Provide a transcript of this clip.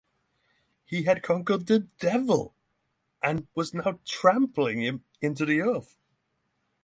He had conquered the devil, and was now trampling him into the earth.